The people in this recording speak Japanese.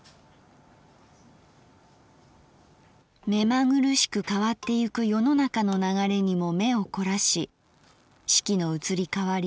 「めまぐるしく変ってゆく世の中の流れにも眼を凝らし四季の移り変り